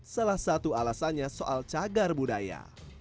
salah satu alasannya soal cagar budaya